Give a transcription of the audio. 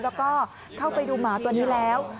แล้วก็เข้าไปดูหมาตัวนี้แล้ว